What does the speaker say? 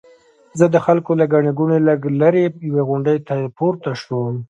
زه د خلکو له ګڼې ګوڼې لږ لرې یوې غونډۍ ته پورته شوم.